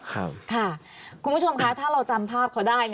คุณผู้ชมคะถ้าเราจำภาพเขาได้